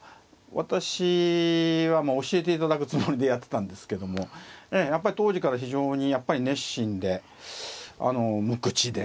私は教えていただくつもりでやってたんですけどもやっぱり当時から非常に熱心で無口で。